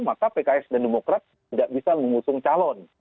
maka pks dan demokrat tidak bisa mengusung calon